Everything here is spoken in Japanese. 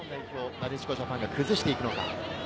なでしこジャパンが崩していくのか。